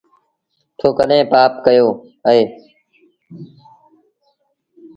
تو ڪڏهيݩ پآپ ڪيو اهي۔